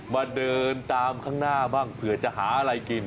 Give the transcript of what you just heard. เดินตามข้างหน้าบ้างเผื่อจะหาอะไรกิน